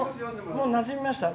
もうなじみました？